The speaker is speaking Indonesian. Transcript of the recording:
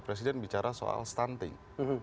presiden bicara soal stunting